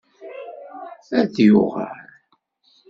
Ad d-yuɣal?